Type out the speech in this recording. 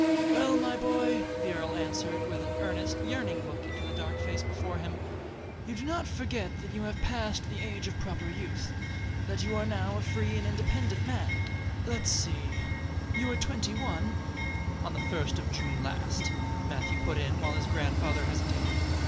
"Well, my boy," the earl answered, with an earnest, yearning look into the dark face before him, "you do not forget that you have passed the age of proper youth that you are now a free and independent man. Let's see you were twenty one " "On the first of June last," Matthew put in, while his grandfather hesitated.